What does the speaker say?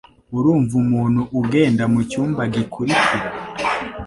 Urumva umuntu ugenda mucyumba gikurikira?